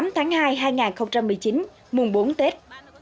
tám tháng hai hai nghìn một mươi chín mùng bốn tết